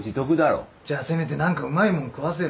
じゃあせめて何かうまいもん食わせろよ。